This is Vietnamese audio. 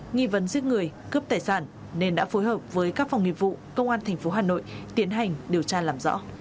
nghị vấn giết người cướp tài sản nên đã phối hợp với các phòng nghiệp vụ công an thành phố hà nội tiến hành điều tra làm rõ